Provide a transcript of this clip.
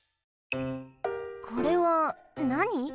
これはなに？